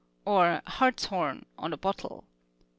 or hartshorn, on a bottle.